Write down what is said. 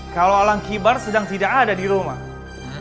kalau alang kibar sedang tidak ada di rumah